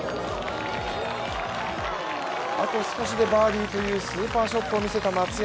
あと少しでバーディーというスーパーショットを見せた松山